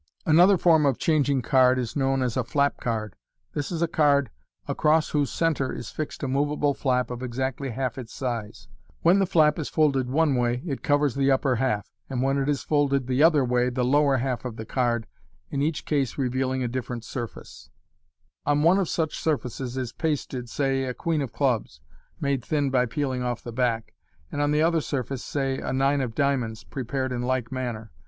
Another form of changing card is known as a " flap card." This is a card across whose centre is fixed a moveable flan of exactly half ?ts size. When the flap is folded one way, it covers the upper half, and when it is folded the other way the lower half of the card, in each case revealing a different surface. (See Fig. 58.) On one of such surfaces is pasted, say, a queen of clubs (made thin by peeling off the back), and on the other surface, say, a nine of diamonds, prepared in like manner.